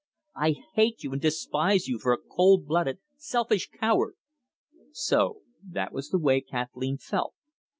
"I hate you and despise you for a cold blooded, selfish coward!" So that was the way Kathleen felt!